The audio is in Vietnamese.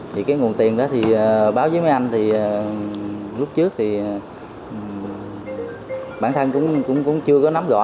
thì cái nguồn tiền đó thì báo với mấy anh thì lúc trước thì bản thân cũng chưa có nắm rõ